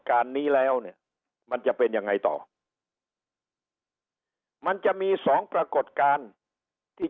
การนี้แล้วมันจะเป็นยังไงต่อมันจะมี๒ปรากฏการที่